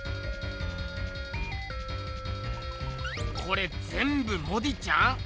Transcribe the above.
これぜんぶモディちゃん？